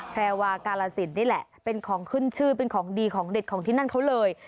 แพรวากาลสินนี่แหละเป็นของขึ้นชื่อเป็นของดีของเด็ดของที่นั่นเขาเลย